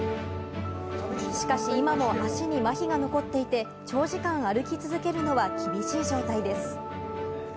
しかし、今も足にまひが残っていて長時間歩き続けるのは厳しい状態です。